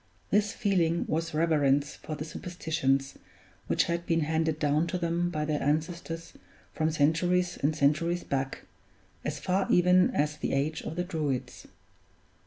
This feeling was reverence for the superstitions which had been handed down to them by their ancestors from centuries and centuries back, as far even as the age of the Druids.